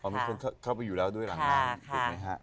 มีคนเข้าไปอยู่แล้วด้วยหลังนั้น